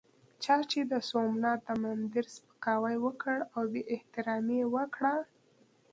چا چې د سومنات د مندر سپکاوی وکړ او بې احترامي یې وکړه.